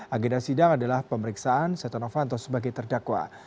agenda sidang adalah pemeriksaan seto novanto sebagai terdakwa